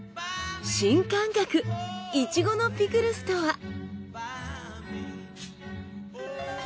新感覚イチゴのピクルスとは。